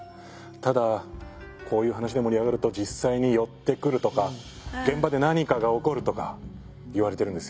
ただこういう話で盛り上がると実際に寄ってくるとか現場で何かが起こるとかいわれてるんですよ。